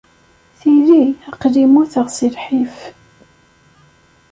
Tili aql-i mmuteɣ si lḥif.